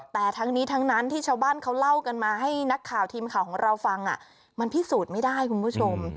แต่ถ้าฟังมันพิสูจน์ไม่ได้คุณผู้ชม